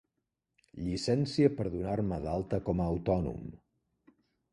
Llicència per donar-me d'alta com a autònom.